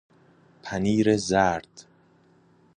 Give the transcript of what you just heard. پنیر زرد